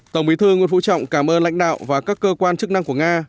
tổng bí thư nguyễn phú trọng cảm ơn lãnh đạo và các cơ quan chức năng của nga